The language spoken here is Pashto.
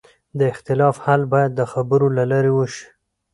د اختلاف حل باید د خبرو له لارې وشي